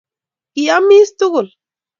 Kiomis tugul